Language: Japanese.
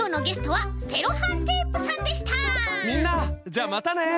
じゃあまたね！